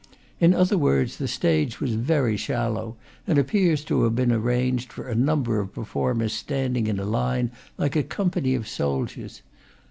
In other words, the stage was very shallow, and appears to have been ar ranged for a number of performers standing in a line, like a company of soldiers.